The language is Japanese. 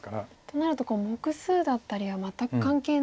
となると目数だったりは全く関係ない。